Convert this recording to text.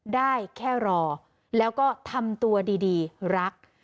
ได้แค่รอแล้วก็ทำตัวดีรัก